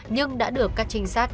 nhưng đã được các trinh sát